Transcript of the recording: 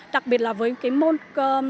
đặc biệt là với cái môn